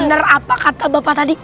benar apa kata bapak tadi